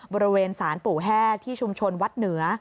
บริเวณสารปู่แห้ที่ชุมชนวัดเหนือ